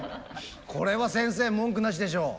これは先生文句なしでしょう。